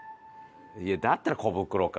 いやだったらコブクロか？